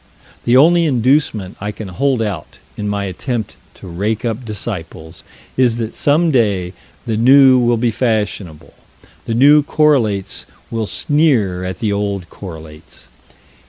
The only inducement I can hold out, in my attempt to rake up disciples, is that some day the New will be fashionable: the new correlates will sneer at the old correlates.